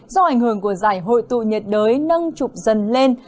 do ảnh hưởng của giải hội tụ nhiệt đới nâng trục dần lên